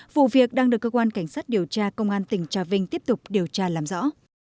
vụ việc đang được cơ quan cảnh sát điều tra công an tỉnh trà vinh tiếp tục điều tra làm rõ